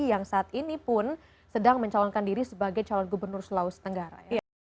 yang saat ini pun sedang mencalonkan diri sebagai calon gubernur sulawesi tenggara